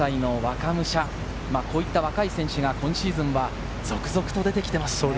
こういった若い選手が今シーズンは続々と出てきています。